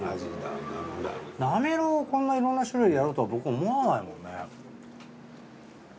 なめろうこんないろんな種類やるとは僕思わないもんね。